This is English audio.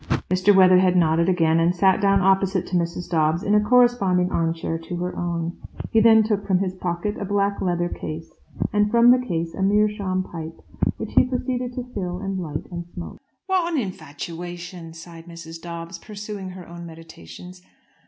Mr. Weatherhead nodded again, and sat down opposite to Mrs. Dobbs in a corresponding armchair to her own. He then took from his pocket a black leather case, and from the case a meerschaum pipe, which he proceeded to fill and light and smoke. "What an infatuation!" sighed Mrs. Dobbs, pursuing her own meditations.